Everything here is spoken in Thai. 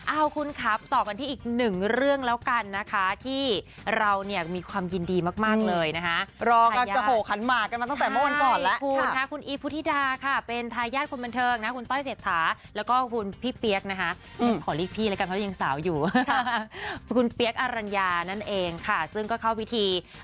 เอาคุณครับต่อกันที่อีกหนึ่งเรื่องแล้วกันนะคะที่เราเนี่ยมีความยินดีมากเลยนะคะจะโหขันหมากกันมาตั้งแต่เมื่อวันก่อนแล้วคุณค่ะคุณอีฟพุทธิดาค่ะเป็นทายาทคนบันเทิงนะคุณต้อยเศรษฐาแล้วก็คุณพี่เปี๊ยกนะคะขอเรียกพี่แล้วกันเพราะยังสาวอยู่คุณเปี๊ยกอรัญญานั่นเองค่ะซึ่งก็เข้าพิธี